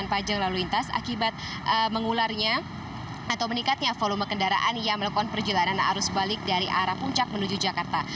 fani imaniar jawa barat